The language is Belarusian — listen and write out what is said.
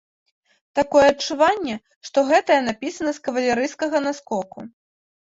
Такое адчуванне, што гэтая напісана з кавалерыйскага наскоку.